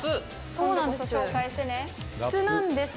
そうなんです。